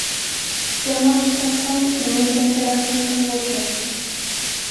é uma abstração que permite a interação com o objeto